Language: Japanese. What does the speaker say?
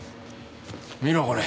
見ろこれ。